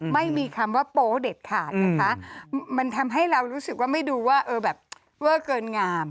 ไม่มีคำว่าโป๊เด็ดขาดนะคะมันทำให้เรารู้สึกว่าไม่ดูว่าเออแบบเวอร์เกินงาม